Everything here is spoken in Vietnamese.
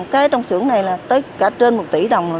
cái trong xưởng này là tất cả trên một tỷ đồng